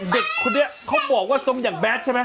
เด็กคนนี้เขาบอกว่าทรงอย่างแดดใช่ไหม